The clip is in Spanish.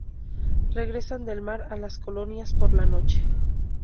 Regresan del mar a las colonias por la noche.